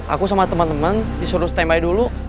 aku sama teman teman disuruh stand by dulu